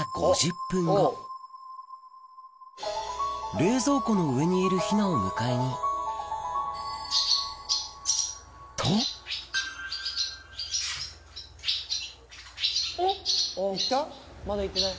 冷蔵庫の上にいるヒナを迎えにとおっ行った？